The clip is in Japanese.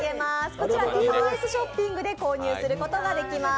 こちらＴＢＳショッピングで購入することができます。